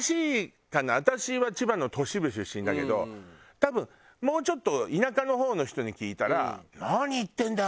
私は千葉の都市部出身だけど多分もうちょっと田舎の方の人に聞いたら「何言ってるんだよ？